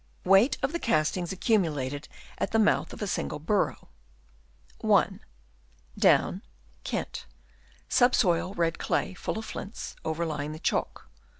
Weight of the Castings accumulated at the mouth OF A SINGLE BuRKOW. (1.) Down, Kent (sub soil red clay, full of flints, over lying the chalk).